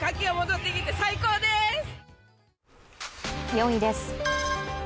４位です。